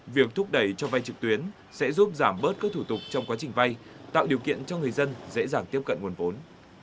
việc thúc đẩy cho vay trực tuyến sẽ giúp giảm bớt các thủ tục trong quá trình vay tạo điều kiện cho người dân dễ dàng tiếp cận nguồn vốn